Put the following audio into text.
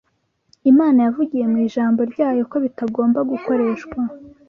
Imana yavugiye mu ijambo ryayo ko bitagomba gukoreshwa: